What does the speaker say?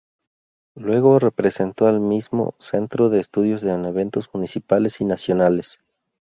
Luego representó al mismo centro de estudios en eventos municipales y nacionales.